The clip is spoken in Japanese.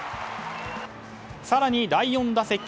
更に第４打席